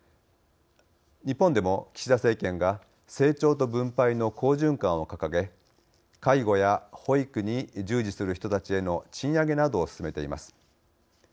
日本でも岸田政権が成長と分配の好循環を掲げ介護や保育に従事する人たちへの賃上げなどを進めています。